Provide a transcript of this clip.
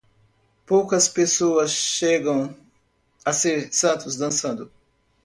Poucas pessoas chegam a ser santos dançando.